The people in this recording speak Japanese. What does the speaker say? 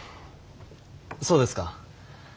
そうですか。